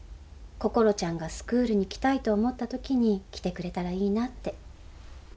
こころちゃんがスクールに来たいと思ったときに来てくれたらいいなって。